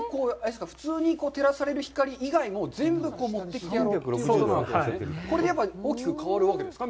普通に照らされる光以外も、全部、持ってきてやろうということなわけですね。